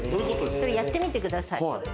やってみてください。